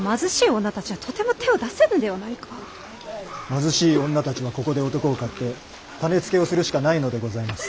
貧しい女たちはここで男を買って種付けをするしかないのでございます。